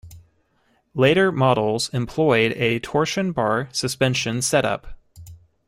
Later models employed a torsion bar suspension set up.